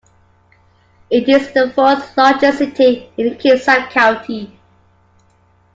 It is the fourth largest city in Kitsap County.